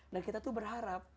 nah kita tuh berharap